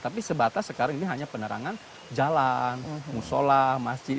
tapi sebatas sekarang ini hanya penerangan jalan musola masjid